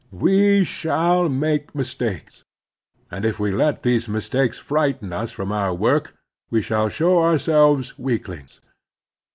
We shall make mistakes; and if we let these mistakes frighten us from our work we shall show ourselves weaklings.